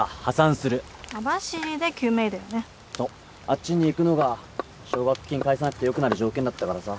あっちに行くのが奨学金返さなくてよくなる条件だったからさ。